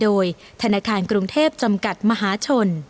โดยธนาคารกรุงเทพจำกัดมหาชน